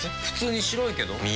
普通に白いけど。